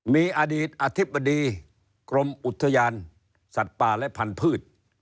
มีอดีตอธิบดีกรมอุทยานสัตว์ป่าและพันธุ์